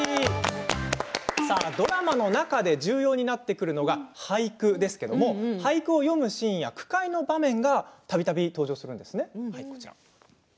ドラマの中で重要になってくるのが俳句ですけれども俳句を詠むシーンや句会の場面がたびたび登場するんです。